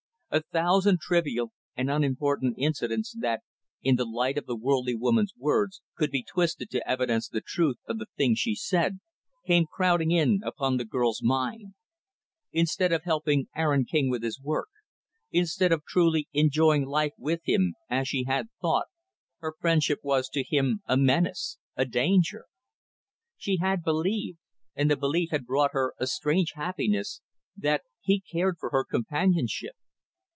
A thousand trivial and unimportant incidents, that, in the light of the worldly woman's words, could be twisted to evidence the truth of the things she said, came crowding in upon the girl's mind. Instead of helping Aaron King with his work, instead of truly enjoying life with him, as she had thought, her friendship was to him a menace, a danger. She had believed and the belief had brought her a strange happiness that he had cared for her companionship.